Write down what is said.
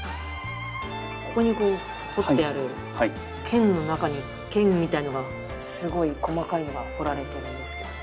ここにこう彫ってある剣の中に剣みたいなのがすごい細かいのが彫られてるんですけど。